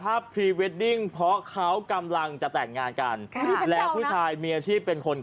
อาชีพเป็นคนขายผมอะไรตามสีแยก